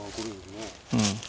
うん。